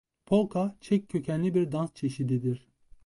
Polka çek kökenli bir dans çeşididir.